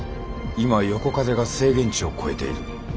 今横風が制限値を超えている。